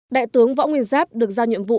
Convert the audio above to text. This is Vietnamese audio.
đại tướng võ nguyên giáp được giao nhiệm vụ